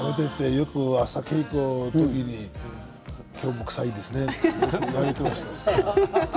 朝、稽古の時に今日も臭いですねってよく言われていました。